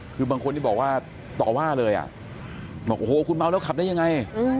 คือบางคนที่บอกว่าต่อว่าเลยอ่ะบอกโอ้โหคุณเมาแล้วขับได้ยังไง